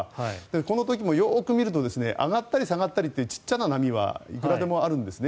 この時もよく見ると上がったり下がったりという小さな波はいくらでもあるんですね。